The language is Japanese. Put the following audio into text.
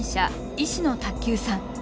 石野卓球さん。